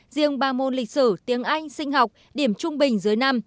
riêng ba môn lịch sử tiếng anh sinh học điểm trung bình dưới năm